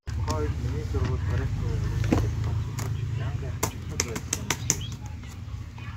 Тухайн үед миний зургууд хориотой уран бүтээлд тооцогдож, байнгын хавчигдмал байдалд амьдарч ирсэн.